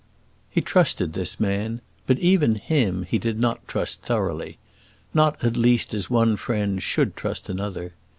He trusted this man; but even him he did not trust thoroughly; not at least as one friend should trust another.